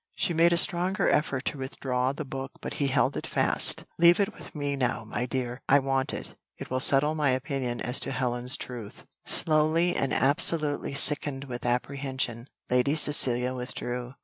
She made a stronger effort to withdraw the book but he held it fast. "Leave it with me now, my dear; I want it; it will settle my opinion as to Helen's truth." Slowly, and absolutely sickened with apprehension, Lady Cecilia withdrew.